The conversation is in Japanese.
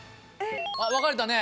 分かれたね